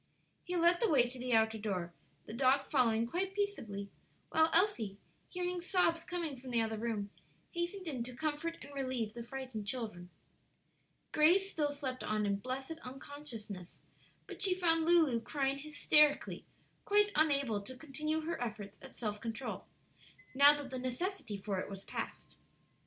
He led the way to the outer door, the dog following quite peaceably, while Elsie, hearing sobs coming from the other room, hastened in to comfort and relieve the frightened children. Grace still slept on in blessed unconsciousness; but she found Lulu crying hysterically, quite unable to continue her efforts at self control, now that the necessity for it was past.